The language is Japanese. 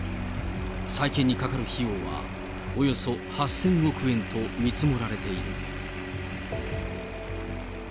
再建にかかる費用は、およそ８０００億円と見積もられている。